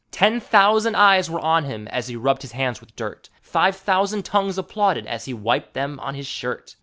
Ten thousand eyes were on him as he rubbed his hands with dirt; Five thousand tounges applauded as he wiped them on his shirt.